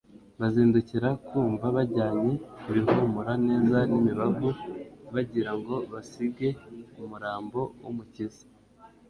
bazindukira ku mva bajyanye ibihumura neza n'imibavu bagira ngo basige umurambo w'Umukiza'.